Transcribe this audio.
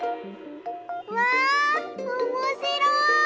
わおもしろい！